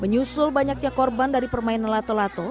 menyusul banyaknya korban dari permainan lato lato